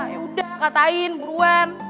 ya udah katain buruan